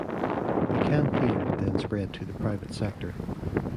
The campaign then spread to the private sector.